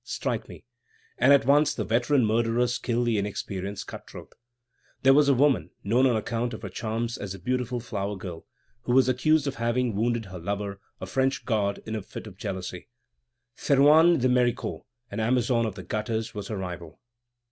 Strike me!" And at once the veteran murderers kill the inexperienced cut throat. There was a woman, known on account of her charms as the Beautiful Flower Girl, who was accused of having wounded her lover, a French guard, in a fit of jealousy. Théroigne de Mericourt, an amazon of the gutters, was her rival.